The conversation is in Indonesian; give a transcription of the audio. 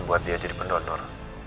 buat dia jadi penonor